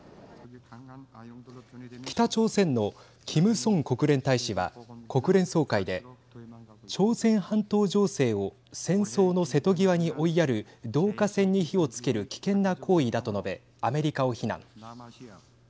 北朝鮮のキム・ソン国連大使は国連総会で朝鮮半島情勢を戦争の瀬戸際に追いやる導火線に火をつける危険な行為だと述べアメリカを非難。